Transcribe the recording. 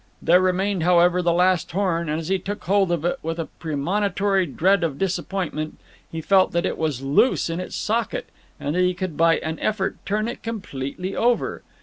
There remained, however, the last horn, and as he took hold of it with a premonitory dread of disappointment, he felt that it was loose in its socket, and that he could by an effort turn it completely over.